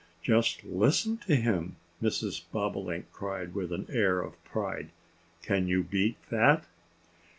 "Just listen to him!" Mrs. Bobolink cried, with an air of pride. "Can you beat that?"